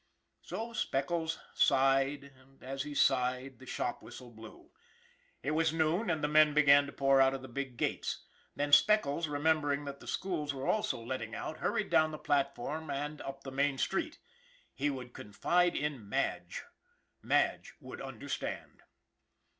So Speckles sighed, and as he sighed the shop whistle blew. It was noon, and the men began to pour out of the big gates. Then Speckles, remem bering that the schools were also " letting out," hur ried down the platform and up the main street. He would confide in Madge. Madge would under stand.